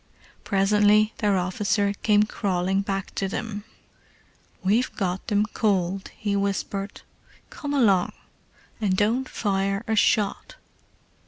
Presently their officer came crawling back to them. "We've got 'em cold," he whispered. "Come along—and don't fire a shot."